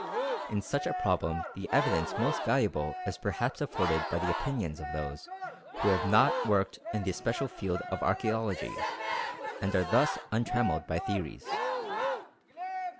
In such a problem the evidence most valuable is perhaps afforded by the opinions of those who have not worked in the special field of archæology, and are thus untrammelled by theories.